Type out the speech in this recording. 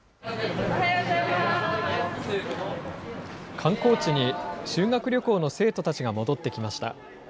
観光地に修学旅行の生徒たちが戻ってきました。